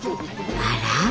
あら？